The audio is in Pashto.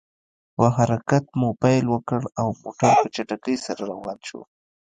په حرکت مو پیل وکړ، او موټر په چټکۍ سره روان شو.